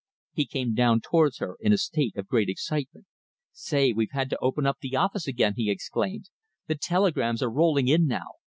He came down towards her in a state of great excitement. "Say, we've had to open up the office again!" he exclaimed. "The telegrams are rolling in now.